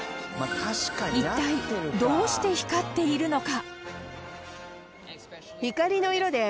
一体どうして光っているのか？